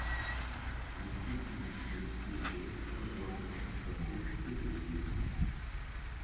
Il continue de siéger conjointement comme député de Hythe.